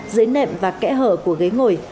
dưới nệm và kẽ hở của ghế ngồi